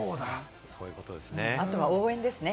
あとは応援ですね。